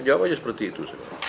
jawab aja seperti itu